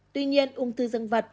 tuy nhiên ung thư dân vật